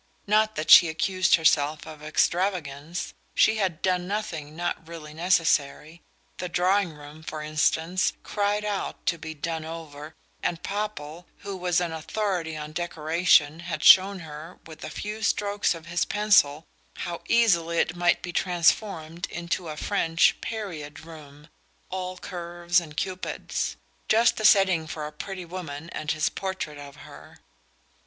Not that she accused herself of extravagance: she had done nothing not really necessary. The drawing room, for instance, cried out to be "done over," and Popple, who was an authority on decoration, had shown her, with a few strokes of his pencil how easily it might be transformed into a French "period" room, all curves and cupids: just the setting for a pretty woman and his portrait of her.